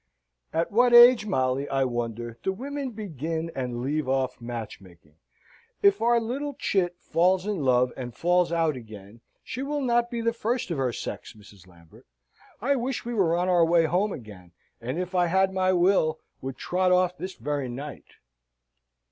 "At what age, Molly, I wonder, do women begin and leave off match making? If our little chit falls in love and falls out again, she will not be the first of her sex, Mrs. Lambert. I wish we were on our way home again, and, if I had my will, would trot off this very night."